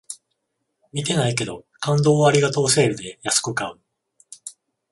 見てないけど、感動をありがとうセールで安く買う